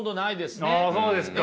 そうですか。